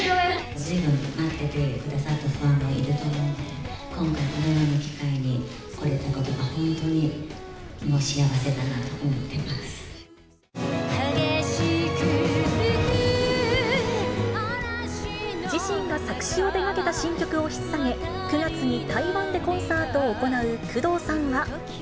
ずいぶん待っててくださったファンもいると思うので、今回、このような機会に来られて、そういったことが本当に幸せだな自身が作詞を手がけた新曲をひっ提げ、９月に台湾でコンサートを行う工藤さんは。